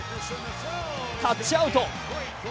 タッチアウト！